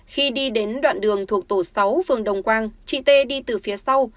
khi đi đến đoạn đường thuộc tổ sáu phường đồng quang chị t đi từ phía sau